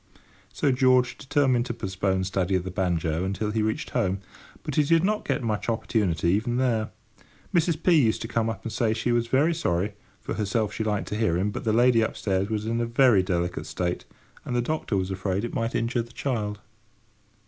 So George determined to postpone study of the banjo until he reached home. But he did not get much opportunity even there. Mrs. P. used to come up and say she was very sorry—for herself, she liked to hear him—but the lady upstairs was in a very delicate state, and the doctor was afraid it might injure the child.